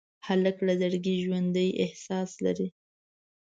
هلک له زړګي ژوندي احساس لري.